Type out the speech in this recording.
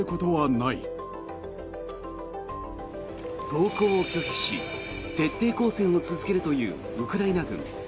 投降を拒否し徹底抗戦を続けるというウクライナ軍。